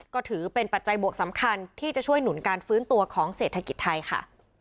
ก็ถือเป็นปัจจัยบวกสำคัญที่จะช่วยหนุนการฟื้นตัวของเศรษฐกิจไทยค่ะ